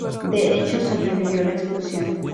De hecho, sobrevivió a la explosión.